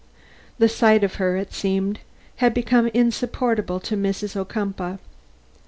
The sight of her, it seems, had become insupportable to Mrs. Ocumpaugh.